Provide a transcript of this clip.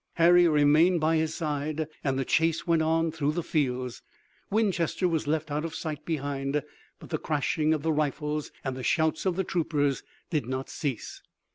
Harry remained by his side and the chase went on through the fields. Winchester was left out of sight behind, but the crashing of the rifles and the shouts of the troopers did not cease.